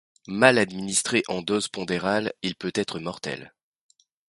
Mal administré en dose pondérale, il peut être mortel.